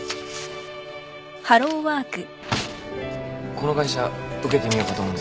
この会社受けてみようかと思うんですよ。